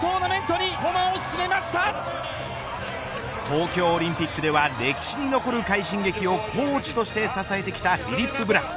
東京オリンピックでは歴史に残る快進撃をコーチとして支えてきたフィリップ・ブラン。